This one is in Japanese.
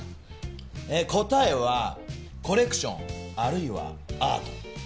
答えはコレクションあるいはアート。